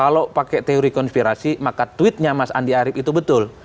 kalau pakai teori konspirasi maka tweetnya mas andi arief itu betul